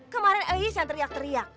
kemarin ais yang teriak teriak